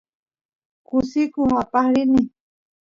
kusikus aqaq rini